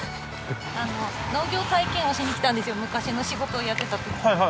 農業体験をしに来たんですよ昔の仕事をやってたときに。